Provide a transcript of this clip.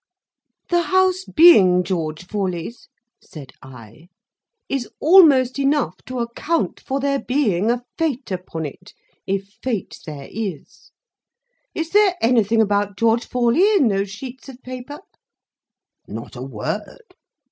"The house being George Forley's," said I, "is almost enough to account for there being a Fate upon it, if Fate there is. Is there anything about George Forley in those sheets of paper?" "Not a word."